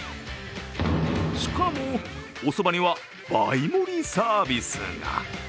しかも、おそばには倍盛りサービスが。